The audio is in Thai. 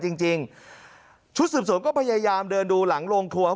จริงจริงชุดสืบสวนก็พยายามเดินดูหลังโรงครัว